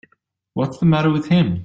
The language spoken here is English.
What's the matter with him.